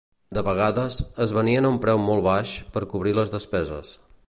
De vegades, es venien a un preu molt baix, per cobrir les despeses.